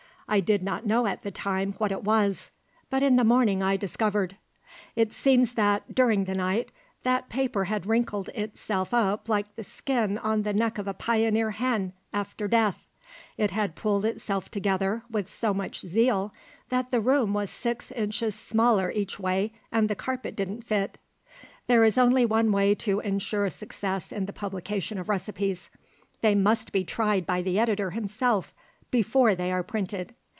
I did not know at the time what it was, but in the morning I discovered. It seems that, during the night, that paper had wrinkled itself up like the skin on the neck of a pioneer hen after death. It had pulled itself together with so much zeal that the room was six inches smaller each way and the carpet didn't fit. There is only one way to insure success in the publication of recipes. They must be tried by the editor himself before they are printed.